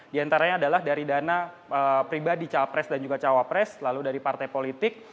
di antaranya adalah dari dana pribadi capres dan juga cawapres lalu dari partai politik